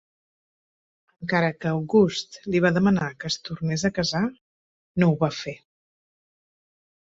Encara que August li va demanar que es tornés a casar, no ho va fer.